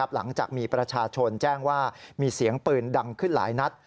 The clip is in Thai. หลังจากมีประชาชนแจ้งว่ามีเสียงปืนดังขึ้นหลายนัด